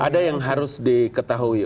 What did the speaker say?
ada yang harus diketahui